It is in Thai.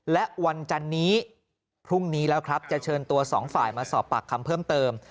และวันจันนี้พรุ่งนี้แล้วครับจะเชิญตัวสองฝ่ายมาสอบปากคำเพิ่มเติม